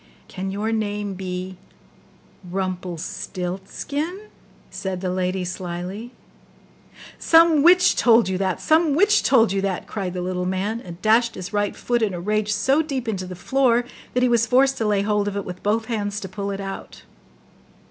'Can your name be RUMPELSTILTSKIN?' said the lady slyly. 'Some witch told you that! some witch told you that!' cried the little man, and dashed his right foot in a rage so deep into the floor, that he was forced to lay hold of it with both hands to pull it out.